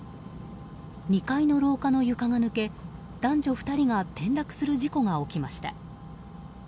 ２階の廊下の床が抜け男女２人が転落する事故が起きました。